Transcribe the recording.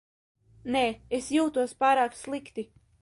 Nē, es jūtos pārāk slikti.